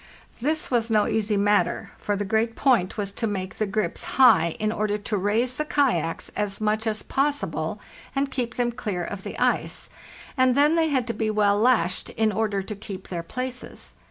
This was no easy matter, for the great point was to make the grips high in order to raise the kayaks as much as possible and keep them clear of the ice; and then they had to be well lashed in order to keep their places.